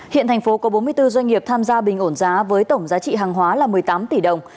hiện thành phố có bốn mươi bốn doanh nghiệp tham gia bình ổn giá với tổng giá trị hàng hóa là một mươi tám tỷ đồng